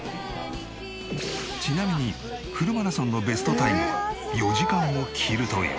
ちなみにフルマラソンのベストタイムは４時間を切るという。